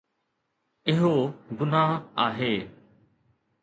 اهو گناهه آهي